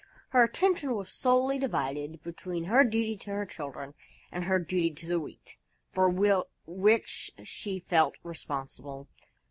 Her attention was sorely divided between her duty to her children and her duty to the Wheat, for which she felt responsible.